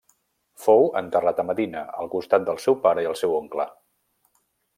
Fou enterrat a Medina al costat del seu pare i el seu oncle.